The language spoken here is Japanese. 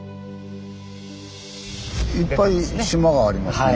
いっぱい島がありますね